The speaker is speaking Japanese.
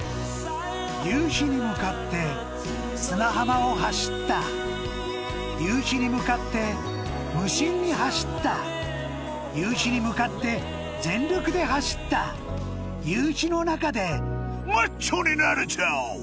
夕日に向かって砂浜を走った夕日に向かって無心に走った夕日に向かって全力で走った夕日の中でマッチョになれた！